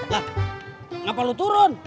lah kenapa lu turun